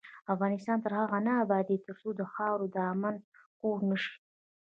افغانستان تر هغو نه ابادیږي، ترڅو دا خاوره د امن کور نشي.